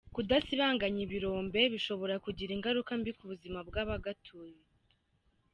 Kudasibanganya ibirombe bishobora kugira ingaruka mbi ku buzima bw’abagatuye.